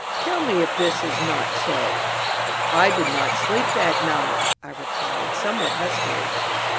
Tell me if this is not so?" "I did not sleep that night," I replied, somewhat huskily.